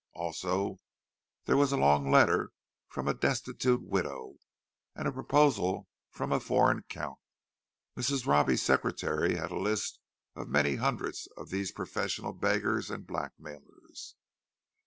Also, there was a long letter from a destitute widow, and a proposal from a foreign count. Mrs. Robbie's secretary had a list of many hundreds of these professional beggars and blackmailers.